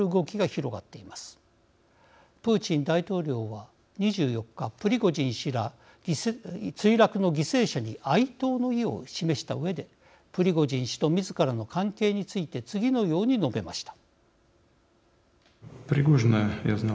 プーチン大統領は２４日プリゴジン氏ら墜落の犠牲者に哀悼の意を示したうえでプリゴジン氏とみずからの関係について次のように述べました。